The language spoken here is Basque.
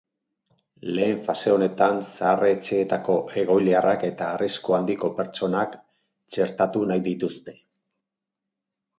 Lehen fase honetan, zahar-etxeetako egoiliarrak eta arrisku handiko pertsonak txertatu nahi dituzte.